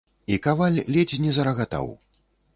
І каваль ледзь не зарагатаў.